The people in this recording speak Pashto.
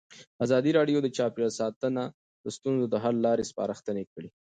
ازادي راډیو د چاپیریال ساتنه د ستونزو حل لارې سپارښتنې کړي.